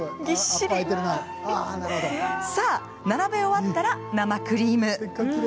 さあ、並べ終わったら生クリーム。